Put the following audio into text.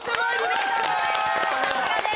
さすがです